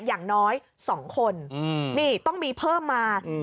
อย่างน้อย๒คนนี่ต้องมีเพิ่มมา